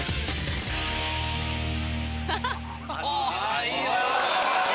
あいいわ・